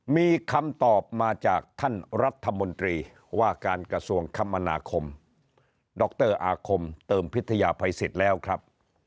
มีคำตอบมาจากท่านรัฐมนตรีว่าการกระทรวงคมนาคมดรอาคมเติมพิทยาภัยสิทธิ์แล้วครับ